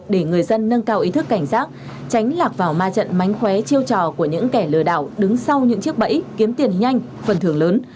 để người dân nâng cao ý thức cảnh giác tránh lạc vào ma trận mánh khóe chiêu trò của những kẻ lừa đảo đứng sau những chiếc bẫy kiếm tiền nhanh phần thưởng lớn